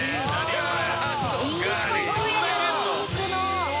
いい香りだなニンニクの。